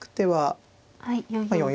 はい。